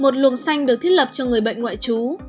một luồng xanh được thiết lập cho người bệnh ngoại trú